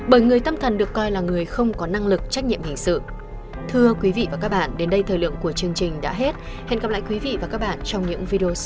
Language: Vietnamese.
bởi người tâm thần được coi là người không có năng lực trách nhiệm hình sự